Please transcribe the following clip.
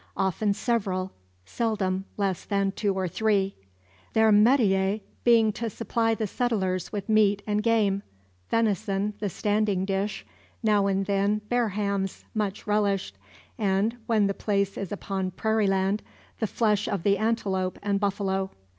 Often several, seldom less than two or three; their metier being to supply the settlers with meat and game venison, the standing dish now and then bear hams, much relished and, when the place is upon prairie land, the flesh of the antelope and buffalo.